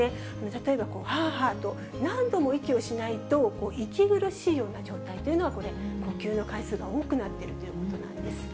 例えばはーはーと、何度も息をしないと、息苦しいような状態というのは、これ、呼吸の回数が多くなっているということなんです。